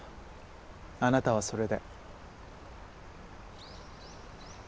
あなたはそれで。